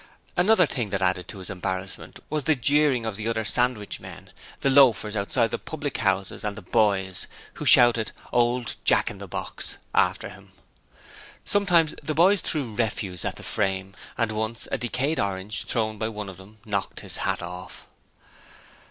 Another thing that added to his embarrassment was the jeering of the other sandwichmen, the loafers outside the public houses, and the boys, who shouted 'old Jack in the box' after him. Sometimes the boys threw refuse at the frame, and once a decayed orange thrown by one of them knocked his hat off.